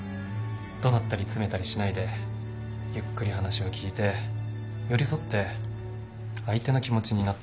怒鳴ったり詰めたりしないでゆっくり話を聞いて寄り添って相手の気持ちになって。